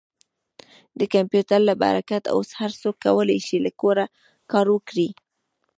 د کمپیوټر له برکته اوس هر څوک کولی شي له کوره کار وکړي.